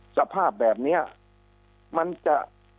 สภาพแบบนี้มันจะ